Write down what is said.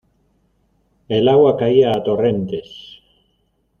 El agua caía a torrentes.